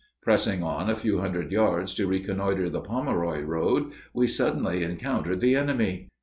Pressing on a few hundred yards to reconnoiter the Pomeroy road, we suddenly encountered the enemy.